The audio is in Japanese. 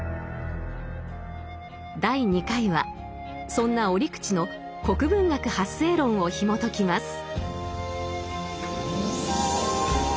第２回はそんな折口の「国文学発生論」をひもときます。